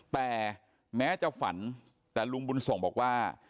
แต่แม้จะฝันแต่ลุงบุญส่งบอกว่า